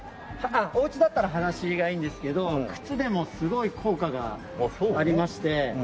おうちだったら裸足がいいんですけど靴でもすごい効果がありまして。